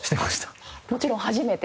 もちろん初めて？